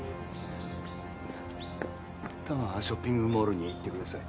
多摩ショッピングモールに行ってください。